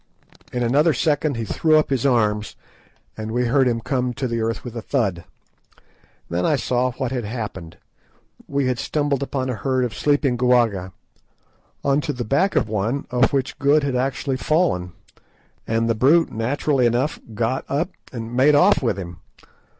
In another second he threw up his arms, and we heard him come to the earth with a thud. Then I saw what had happened; we had stumbled upon a herd of sleeping quagga, on to the back of one of which Good actually had fallen, and the brute naturally enough got up and made off with him.